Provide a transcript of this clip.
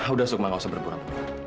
udah sukma nggak usah berbual